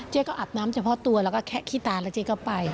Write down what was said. อาบน้ำเฉพาะตัวแล้วก็แคะขี้ตาแล้วเจ๊ก็ไป